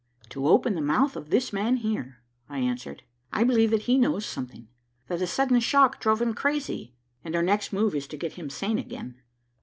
"To open the mouth of this man here," I answered. "I believe that he knows something; that a sudden shock drove him crazy, and our next move is to get him sane again."